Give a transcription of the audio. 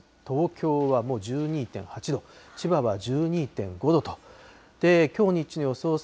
東京はもう１２．８度、千葉は１２．５度と、きょう日中の予想